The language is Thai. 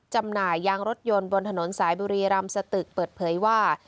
จำหน่ายยางรถยนต์บนถนนสายบุรีรำสตึกเปิดเผยว่า